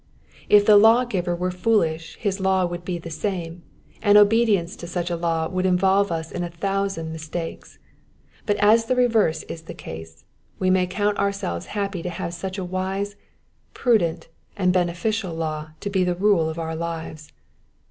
If the Lawgiver were foolish his law would be the same, and obedience to such a law would involve us in a thousand mis takes ; but as the reverse is the case, we may count ourselves happy to have such a wise, prudent, and beueficial law to be the rule of our lives.